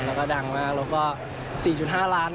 แล้วก็ดังมากแล้วก็๔๕ล้าน